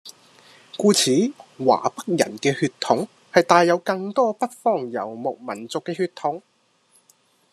故此華北人嘅血統係帶有更多北方遊牧民族嘅血統